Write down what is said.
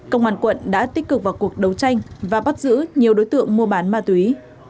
công an quận đã tích cực vào cuộc đấu tranh và bắt giữ nhiều đối tượng mua bán ma túy